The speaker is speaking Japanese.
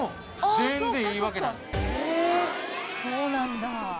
そうなんだ。